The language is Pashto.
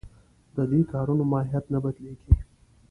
د دې کارونو ماهیت نه بدلېږي.